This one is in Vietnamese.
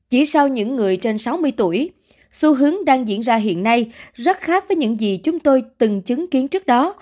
chỉ sau những người trên sáu mươi tuổi xu hướng đang diễn ra hiện nay rất khác với những gì chúng tôi từng chứng kiến trước đó